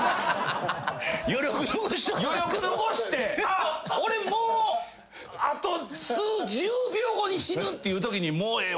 余力残してあっ俺もうあと数十秒後に死ぬっていうときに「もうええわ」